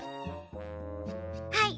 はい。